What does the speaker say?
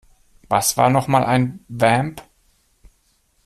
Was war noch mal ein Vamp?